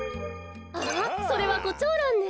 あっそれはコチョウランね。